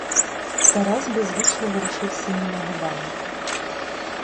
Тарас беззвучно ворушив синіми губами.